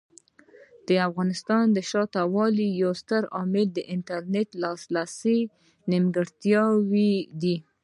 د افغانستان د شاته پاتې والي یو ستر عامل د انټرنیټ لاسرسي نیمګړتیاوې دي.